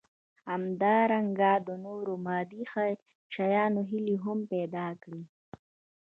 همدارنګه د نورو مادي شيانو هيلې هم پيدا کړي.